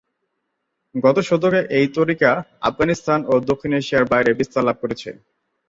গত শতকে এই তরিকা আফগানিস্তান ও দক্ষিণ এশিয়ার বাইরে বিস্তার লাভ করেছে।